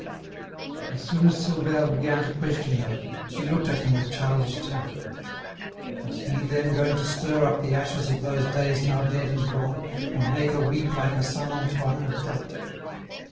As soon as Silvère began to question her she looked at him with childish terror. Was he, then, going to stir up the ashes of those days now dead and gone, and make her weep like her son Antoine had done?